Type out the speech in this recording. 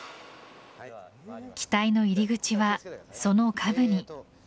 機体の入り口は、その下部に。